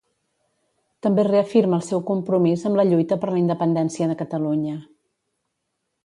També reafirma el seu compromís amb la lluita per la independència de Catalunya.